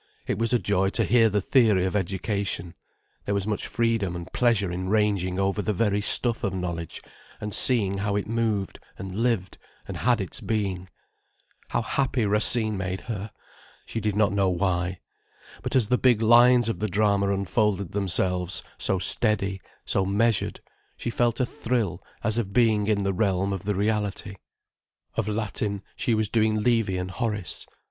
It was a joy to hear the theory of education, there was such freedom and pleasure in ranging over the very stuff of knowledge, and seeing how it moved and lived and had its being. How happy Racine made her! She did not know why. But as the big lines of the drama unfolded themselves, so steady, so measured, she felt a thrill as of being in the realm of the reality. Of Latin, she was doing Livy and Horace.